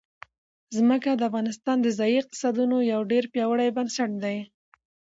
ځمکه د افغانستان د ځایي اقتصادونو یو ډېر پیاوړی بنسټ دی.